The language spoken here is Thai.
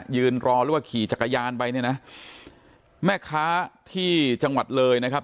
ยืนรอหรือว่าขี่จักรยานไปเนี่ยนะแม่ค้าที่จังหวัดเลยนะครับ